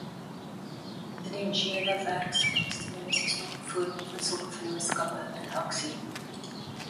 Die Presidensiële Werkskeppingstimulus is nog 'n voorbeeld van sulke vennootskappe in aksie.